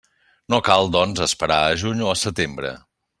No cal, doncs, esperar a juny o a setembre.